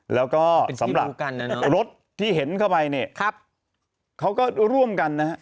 แล้วก็สำหรับรถที่เห็นเข้าไปเนี่ยเขาก็ร่วมกันนะฮะ